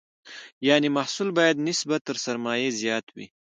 یعنې محصول باید نسبت تر سرمایې زیات وي.